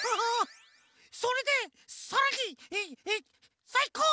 それでさらにさいこう！